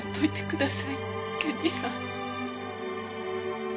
検事さん。